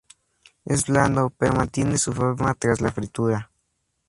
Es blando, pero mantiene su forma tras la fritura.